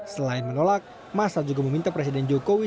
selain menolak masa juga meminta presiden jokowi